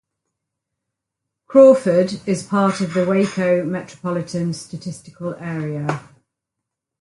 Crawford is part of the Waco Metropolitan Statistical Area.